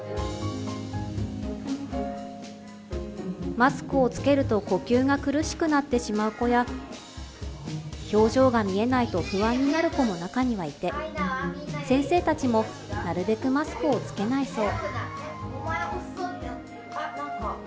マスクを着けると呼吸が苦しくなってしまう子や表情が見えないと不安になる子も中にはいて先生たちもなるべくマスクを着けないそう。